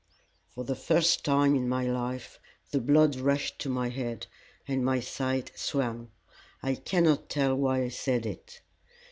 For the first time in my life the blood rushed to my head and my sight swam. I cannot tell why I said it.